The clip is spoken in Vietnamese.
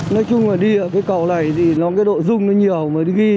nói chung là đi ở cái cầu này thì nó cái độ rung nó nhiều mà ghi